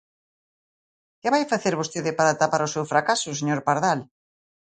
¿Que vai facer vostede para tapar o seu fracaso, señor Pardal?